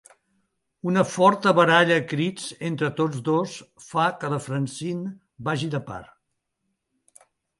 Una forta baralla a crits entre tots dos fa que la Francine vagi de part.